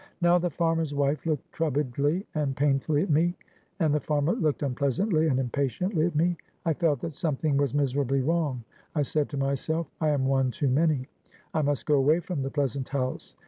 Now the farmer's wife looked troubledly and painfully at me; and the farmer looked unpleasantly and impatiently at me. I felt that something was miserably wrong; I said to myself, I am one too many; I must go away from the pleasant house.